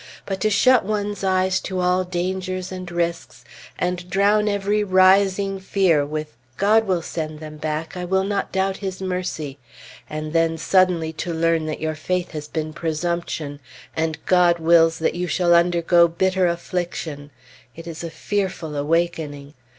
But to shut one's eyes to all dangers and risks, and drown every rising fear with "God will send them back; I will not doubt His mercy," and then suddenly to learn that your faith has been presumption and God wills that you shall undergo bitter affliction it is a fearful awakening!